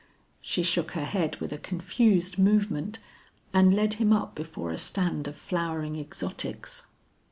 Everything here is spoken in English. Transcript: She shook her head with a confused movement, and led him up before a stand of flowering exotics.